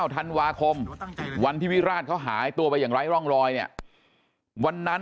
ธันวาคมวันที่วิราชเขาหายตัวไปอย่างไร้ร่องรอยเนี่ยวันนั้น